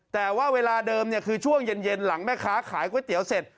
แต่ว่าเวลาเดิมคือช่วงเย็นหลังแม่ค้าขายก๋วยเตี๋ยวเสร็จ